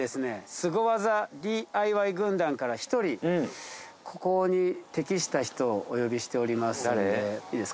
スゴ技ＤＩＹ軍団から１人ここに適した人をお呼びしておりますんで。